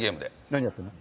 何やってんの？